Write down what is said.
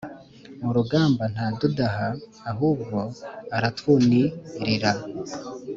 Murugamba ntadudaha ahubwo aratwunirira